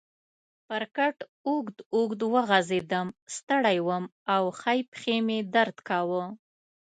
پر کټ اوږد اوږد وغځېدم، ستړی وم او ښۍ پښې مې درد کاوه.